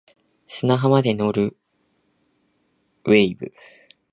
砂浜まで乗る wave